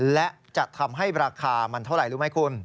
และจะทำให้ราคามันเท่าไหร่รู้ไหมคุณ